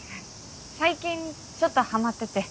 最近ちょっとはまってて。